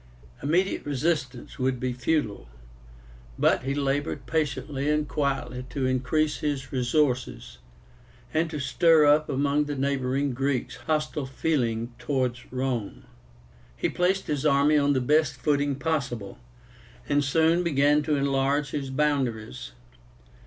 Immediate resistance would be futile; but he labored patiently and quietly to increase his resources, and to stir up among the neighboring Greeks hostile feeling towards Rome. He placed his army on the best footing possible, and soon began to enlarge his boundaries.